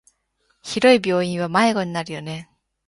広い病院は迷子になるよね。